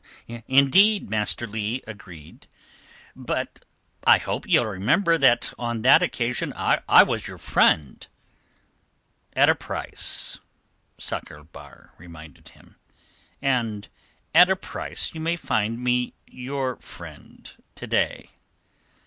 "Indeed," Master Leigh agreed. "But I hope ye'll remember that on that occasion I was your friend." "At a price," Sakr el Bahr reminded him. "And at a price you may find me your friend to day."